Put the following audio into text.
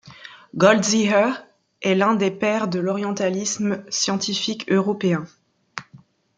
Goldziher est l'un des pères de l'orientalisme scientifique européen.